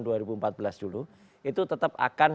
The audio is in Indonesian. dua ribu empat belas dulu itu tetap akan